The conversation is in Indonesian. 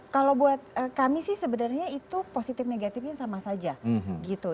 kalau buat kami sih sebenarnya itu positif negatifnya sama saja gitu